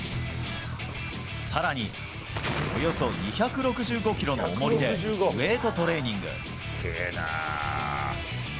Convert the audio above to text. さらに、およそ２６５キロのおもりでウエートトレーニング。